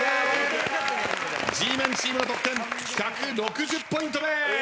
Ｇメンチームの得点１６０ポイントです。